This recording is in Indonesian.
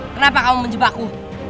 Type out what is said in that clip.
kenapa kamu menjebakku